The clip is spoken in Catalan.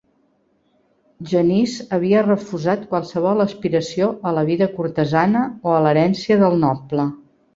Genís havia refusat qualsevol aspiració a la vida cortesana o a l'herència del noble.